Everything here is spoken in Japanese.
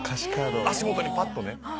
足元にぱっとね。